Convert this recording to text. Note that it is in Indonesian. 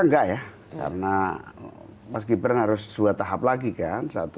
enggak ya karena mas gibran harus dua tahap lagi kan